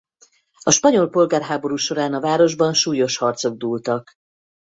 A spanyol polgárháború során a városban súlyos harcok dúltak.